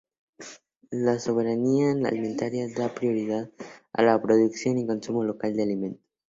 La soberanía alimentaria da prioridad a la producción y consumo local de alimentos.